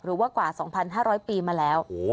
หรือว่ากว่า๒๕๐๐ปีมาแล้ว